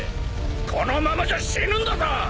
このままじゃ死ぬんだぞ！